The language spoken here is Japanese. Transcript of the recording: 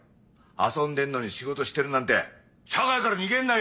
遊んでんのに仕事してるなんて社会から逃げんなよ！